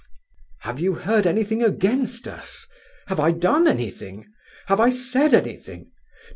"Have you heard anything against us? Have I done anything? Have I said anything?